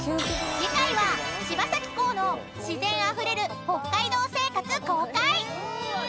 ［次回は柴咲コウの自然あふれる北海道生活公開］